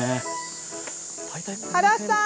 原さん。